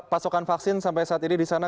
pasokan vaksin sampai saat ini disana